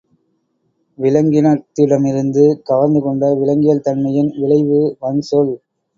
விலங்கினத்திடமிருந்து கவர்ந்து கொண்ட விலங்கியல் தன்மையின் விளைவு வன்சொல்.